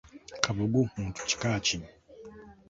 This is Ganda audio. Kabugu muntu kika ki?